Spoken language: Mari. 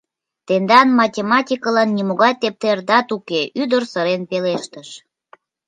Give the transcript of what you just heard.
— Тендан математикылан нимогай тептердат уке, — ӱдыр сырен пелештыш.